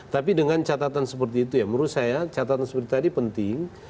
tapi dengan catatan seperti itu ya menurut saya catatan seperti tadi penting